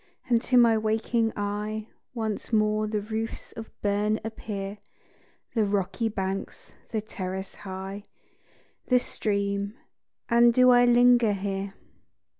and to my waking eye Once more the roofs of Berne appear; The rocky banks, the terrace high, The stream and do I linger here?